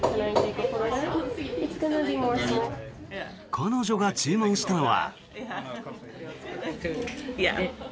彼女が注文したのは。